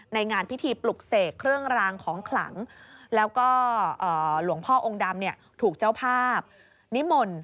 งานพิธีปลุกเสกเครื่องรางของขลังแล้วก็หลวงพ่อองค์ดำถูกเจ้าภาพนิมนต์